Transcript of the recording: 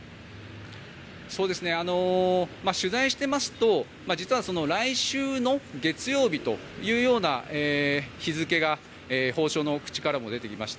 取材してますと実は来週の月曜日という日付が法相の口からも出てきました。